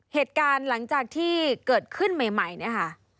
เหตุการณ์หลังจากที่เกิดขึ้นใหม่เนี่ยค่ะ